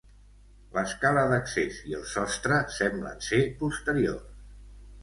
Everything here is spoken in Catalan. L'escala d'accés i el sostre semblen ser posteriors.